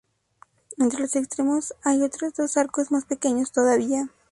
En los extremos hay otros dos arcos más pequeños todavía.